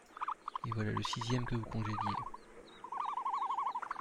Et voilà le sixième que vous congédiez…